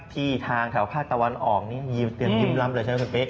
ที่ทางภาคตะวันออกยืมลำเลยใช่ไหมคุณปิ๊ก